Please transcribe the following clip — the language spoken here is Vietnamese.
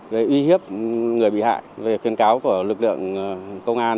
để uy hiếp người bị hại khuyên cáo của lực lượng công an